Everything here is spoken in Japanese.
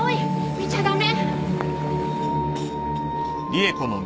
見ちゃ駄目！